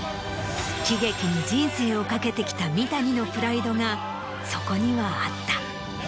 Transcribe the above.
喜劇に人生を懸けてきた三谷のプライドがそこにはあった。